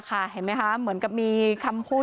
เห็นไหมคะเหมือนกับมีคำพูด